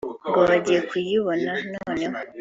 ngo bagiye kuyibona noneho